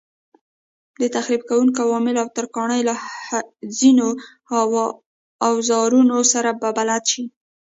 د تخریب کوونکو عواملو او ترکاڼۍ له ځینو اوزارونو سره به بلد شئ.